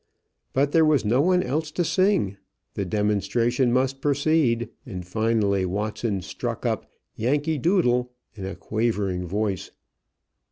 But there was no one else to sing, the demonstration must proceed, and finally Watson struck up "Yankee Doodle" in a quavering voice.